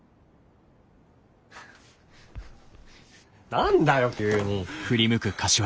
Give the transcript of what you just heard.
何だよ急に。